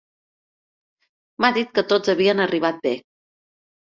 M'ha dit que tots havien arribat bé.